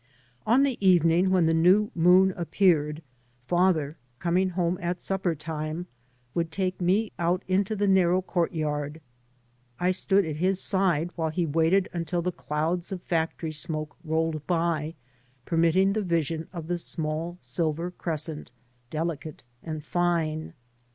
On the evening when the new moon 3 by Google MY MOTHER AND I appeared father, coming home at supper time, would take me out into the narrow courtyard. I stood at his side while he waited until the clouds of factory smoke rolled by, permitting the vision of the small silver crescent, delicate and line.